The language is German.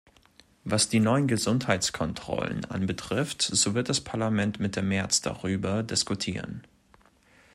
Was die neuen Gesundheitskontrollen anbetrifft, so wird das Parlament Mitte März darüber diskutieren.